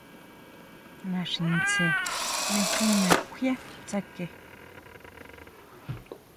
Naxitsé mejena kjuia tsuke.